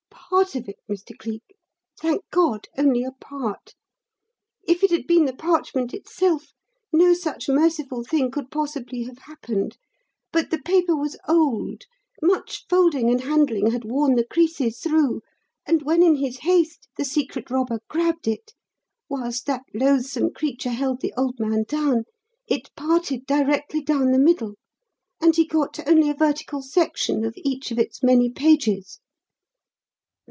"Part of it, Mr. Cleek thank God, only a part! If it had been the parchment itself, no such merciful thing could possibly have happened. But the paper was old, much folding and handling had worn the creases through, and when, in his haste, the secret robber grabbed it, whilst that loathsome creature held the old man down, it parted directly down the middle, and he got only a vertical section of each of its many pages."